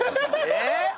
えっ？